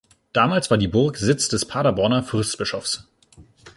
Damals war die Burg Sitz des Paderborner Fürstbischofs.